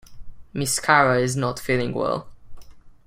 Miss Cara's not feeling well.